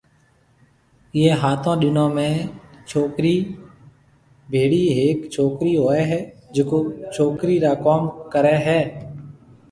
ايئيَ ھاتون ڏنون ۾ ڇوڪرِي ڀيڙِي ھيَََڪ ڇوڪرِي ھوئيَ ھيََََ جڪو ڇوڪرِي را ڪوم ڪرَي ھيََََ